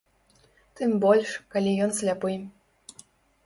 Тым больш, калі ён сляпы.